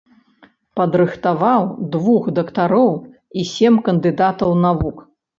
Падрыхтаваў двух дактароў і сем кандыдатаў навук.